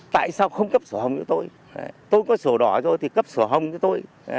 tại sao không cấp sổ hồng cho tôi tôi có sổ đỏ rồi thì cấp sổ hồng cho tôi